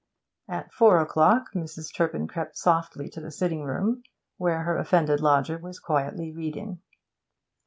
At four o'clock Mrs. Turpin crept softly to the sitting room where her offended lodger was quietly reading.